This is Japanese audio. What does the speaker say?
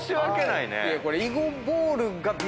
いやこれ。